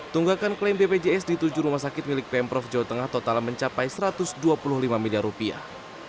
tunggakan klaim bpjs di tujuh rumah sakit milik pemprov jawa tengah total mencapai satu ratus dua puluh lima miliar rupiah